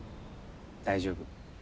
大丈夫。